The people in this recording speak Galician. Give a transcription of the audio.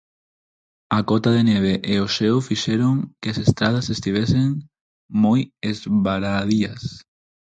A cota de neve e o xeo fixeron que as estradas estivesen moi esvaradías.